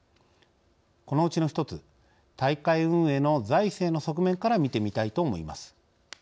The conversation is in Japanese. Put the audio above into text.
このうちの一つ大会運営の財政の側面から見てみたいと思います。